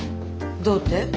どうって？